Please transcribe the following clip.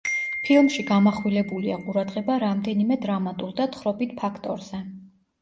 ფილმში გამახვილებულია ყურადღება რამდენიმე დრამატულ და თხრობით ფაქტორზე.